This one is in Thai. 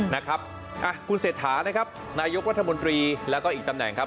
นะครับอ่ะคุณเศรษฐานะครับนายกรัฐมนตรีแล้วก็อีกตำแหน่งครับ